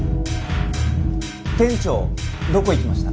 店長どこ行きました？